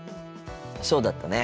そうだったね。